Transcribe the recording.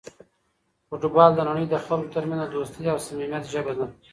فوټبال د نړۍ د خلکو ترمنځ د دوستۍ او صمیمیت ژبه ده.